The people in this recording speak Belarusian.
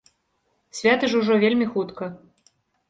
Святы ж ужо вельмі хутка.